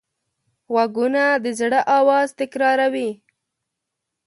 غوږونه د زړه آواز تکراروي